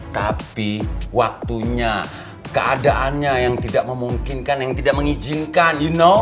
tapi waktunya keadaannya yang tidak memungkinkan yang tidak mengizinkan you know